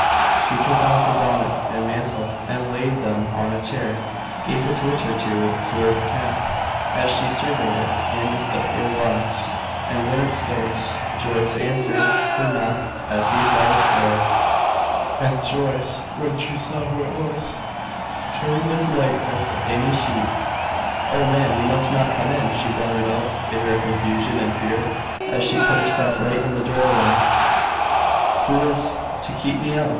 She took off her bonnet and mantle, and laid them on a chair, gave a twitch or two to her cap, as she surveyed it in the pier glass, and went upstairs. Joyce answered her knock at the invalid's door; and Joyce, when she saw who it was, turned as white as any sheet. "Oh, ma'am, you must not come in!" she blundered out, in her confusion and fear, as she put herself right in the doorway. "Who is to keep me out?"